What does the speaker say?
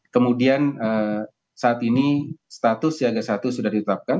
kemudian saat ini status siaga satu sudah ditetapkan